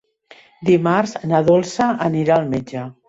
Dimarts na Dolça anirà al metge.